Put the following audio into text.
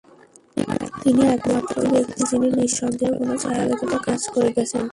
তিনি একমাত্র ব্যক্তি যিনি নিঃসন্দেহে কোন ছায়া ব্যতীত কাজ করে গেছেন।